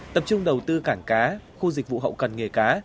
tập trung đầu tư cảng cá khu dịch vụ hậu cần nghề cá